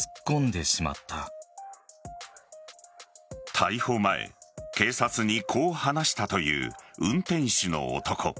逮捕前、警察にこう話したという運転手の男。